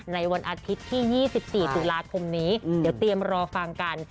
ในวันอาทิตย์ที่๒๔ตุลาคมนี้เดี๋ยวเตรียมรอฟังกัน